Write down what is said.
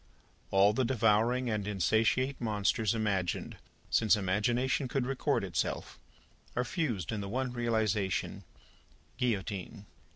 All the devouring and insatiate Monsters imagined since imagination could record itself, are fused in the one realisation, Guillotine.